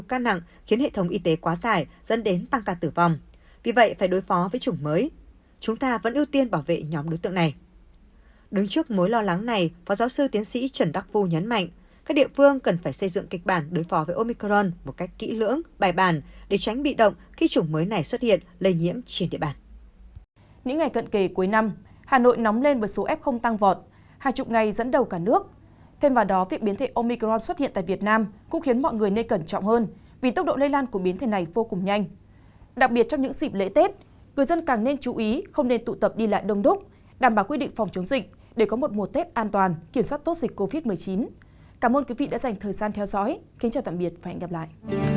cảm ơn quý vị đã dành thời gian theo dõi kính chào tạm biệt và hẹn gặp lại